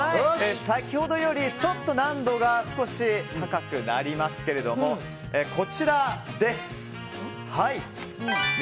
先ほどよりちょっと難度が少し高くなりますけどこちらです。